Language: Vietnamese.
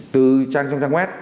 từ trang trang web